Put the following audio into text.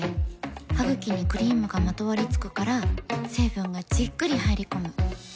ハグキにクリームがまとわりつくから成分がじっくり入り込む。